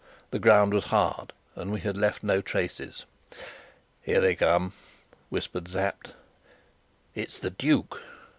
The ground was hard, and we had left no traces. "Here they come!" whispered Sapt. "It's the duke!"